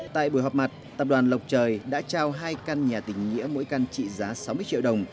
tại buổi họp mặt tập đoàn lộc trời đã trao hai căn nhà tình nghĩa mỗi căn trị giá sáu mươi triệu đồng